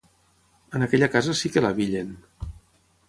En aquella casa sí que l'abillen!